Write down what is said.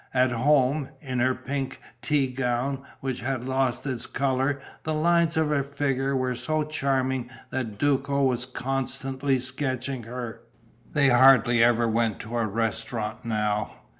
At home, in her pink tea gown, which had lost its colour, the lines of her figure were so charming that Duco was constantly sketching her. They hardly ever went to a restaurant now.